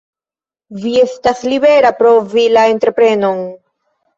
Vi estas libera, provi la entreprenon.